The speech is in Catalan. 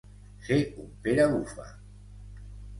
Ser un Pere Bufa.